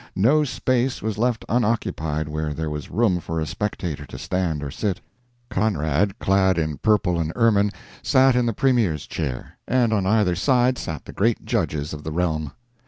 No space was left unoccupied where there was room for a spectator to stand or sit. Conrad, clad in purple and ermine, sat in the premier's chair, and on either side sat the great judges of the realm.